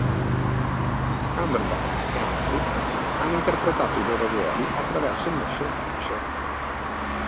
Cumberbatch e Humphries hanno interpretato i loro ruoli attraverso il motion capture.